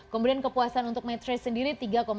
kemudian kepuasan untuk mitrace sendiri tiga tujuh puluh